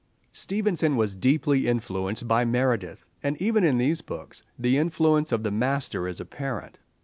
Stevenson was deeply influenced by Meredith, and even in these books the influence of the master is apparent.